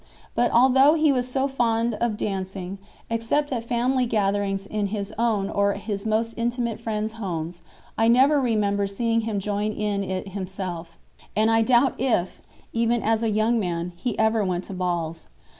But although he was so fond of dancing, except at family gatherings in his own or his most intimate friends' homes, I never remember seeing him join in it himself, and I doubt if, even as a young man, he ever went to balls.